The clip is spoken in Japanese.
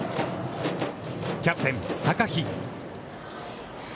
キャプテン高陽。